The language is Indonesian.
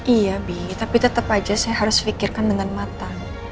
iya bi tapi tetap aja saya harus pikirkan dengan matang